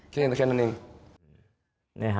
แค่นั้นเอง